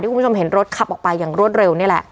คุณผู้ชมเห็นรถขับออกไปอย่างรวดเร็วนี่แหละ